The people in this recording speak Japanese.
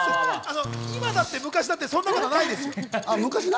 今だって昔だって、そんなことはない。